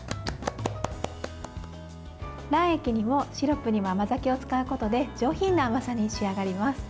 卵液にもシロップにも甘酒を使うことで上品な甘さに仕上がります。